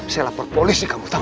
saya lapor polisi kamu tahu